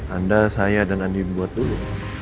anda saya dan anda buat dulu